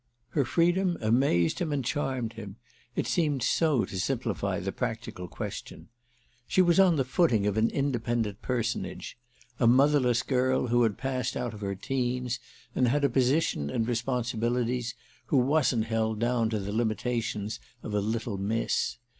Her freedom amazed him and charmed him—it seemed so to simplify the practical question. She was on the footing of an independent personage—a motherless girl who had passed out of her teens and had a position and responsibilities, who wasn't held down to the limitations of a little miss.